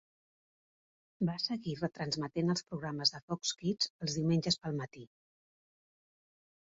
Va seguir retransmetent els programes de Fox Kids els diumenges pel matí.